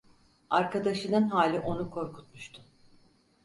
Arkadaşının hali onu korkutmuştu.